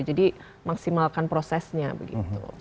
jadi maksimalkan prosesnya begitu